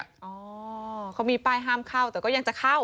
อ๋อเขามีป้ายห้ามเข้าแต่ก็ยังจะเข้า